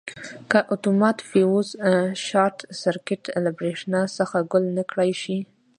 که اتومات فیوز شارټ سرکټ له برېښنا څخه ګل نه کړای شي.